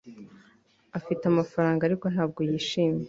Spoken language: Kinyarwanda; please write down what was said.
Afite amafaranga ariko ntabwo yishimye